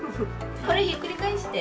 これひっくり返して。